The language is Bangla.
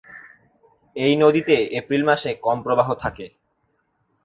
এই নদীতে এপ্রিল মাসে কম প্রবাহ থাকে।